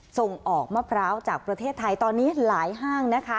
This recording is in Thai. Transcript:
ส่งออกมะพร้าวจากประเทศไทยตอนนี้หลายห้างนะคะ